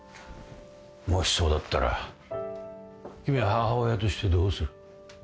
もしそうだったら君は母親としてどうする？